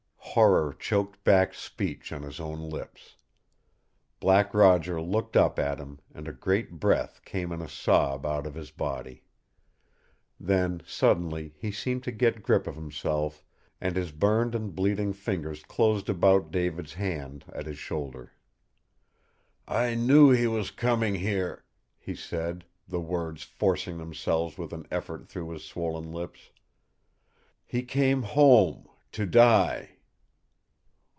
Horror choked back speech on his own lips. Black Roger looked up at him, and a great breath came in a sob out of his body. Then, suddenly, he seemed to get grip of himself, and his burned and bleeding fingers closed about David's hand at his shoulder. "I knew he was coming here," he said, the words forcing themselves with an effort through his swollen lips. "He came home to die."